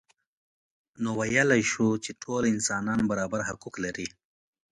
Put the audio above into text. نو ویلای شو چې ټول انسانان برابر حقوق لري.